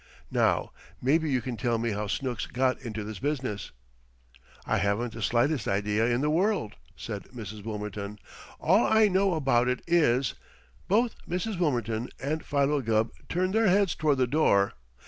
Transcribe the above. Now, maybe you can tell me how Snooks got into this business." "I haven't the slightest idea in the world!" said Mrs. Wilmerton. "All I know about it is " Both Mrs. Wilmerton and Philo Gubb turned their heads toward the door.